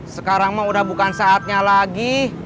sekarang mah udah bukan saatnya lagi